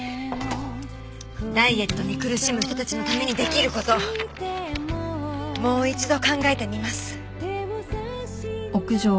ダイエットに苦しむ人たちのためにできる事もう一度考えてみます。